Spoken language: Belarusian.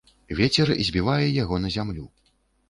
Вецер збівае яго на зямлю.